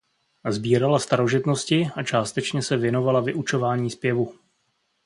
Sbírala starožitnosti a částečně se věnovala vyučování zpěvu.